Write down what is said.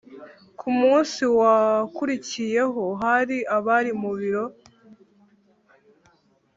kumunsi wakurikiyeho hari abari mu biro